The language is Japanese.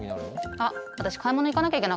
あっ私買い物行かなきゃいけなかった。